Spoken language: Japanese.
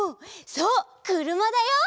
そうくるまだよ！